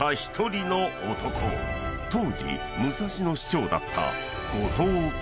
［当時武蔵野市長だった］